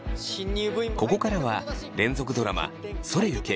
ここからは連続ドラマ「それゆけ！